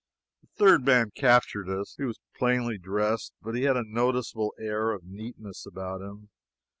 The third man captured us. He was plainly dressed, but he had a noticeable air of neatness about him.